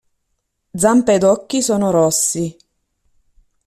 Zampe ed occhi sono rossi.